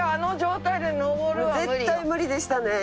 絶対無理でしたね。